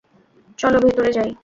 চলো ভেতরে যাই।